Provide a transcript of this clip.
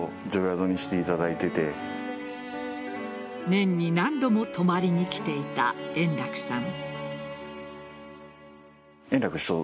年に何度も泊まりに来ていた円楽さん。